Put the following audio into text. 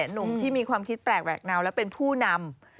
หนุ่มที่มีความคิดแปลกแหวกเงาและเป็นผู้นำ